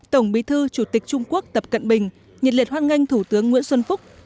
tổng bí thư chủ tịch trung quốc tập cận bình nhiệt liệt hoan nghênh thủ tướng nguyễn xuân phúc